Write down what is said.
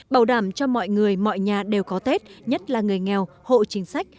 bảo đảm cho mọi người mọi nhà đều có tết nhất là người nghèo hộ chính sách